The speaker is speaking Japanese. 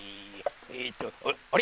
えっとあっあれ？